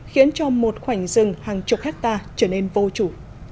khiến cho một khoảnh rừng hàng chục hectare trở nên vô chủ